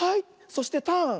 そしてターン！